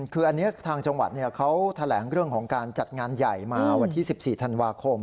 คืออันนี้ทางจังหวัดเขาแถลงเรื่องของการจัดงานใหญ่มาวันที่๑๔ธันวาคม